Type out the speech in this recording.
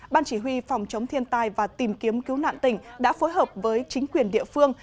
ban chỉ huy phòng chống thiên tai và tìm kiếm cứu nạn tỉnh đã phối hợp với chính quyền địa phương